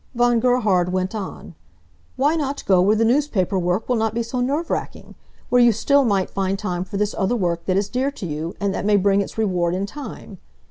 Von Gerhard went on. "Why not go where the newspaper work will not be so nerve racking? where you still might find time for this other work that is dear to you, and that may bring its reward in time."